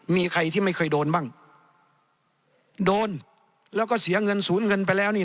มีใครที่ไม่เคยโดนบ้างโดนแล้วก็เสียเงินศูนย์เงินไปแล้วนี่